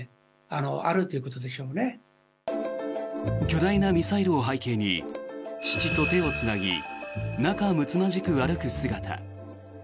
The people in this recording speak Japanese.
巨大なミサイルを背景に父と手をつなぎ仲むつまじく歩く姿。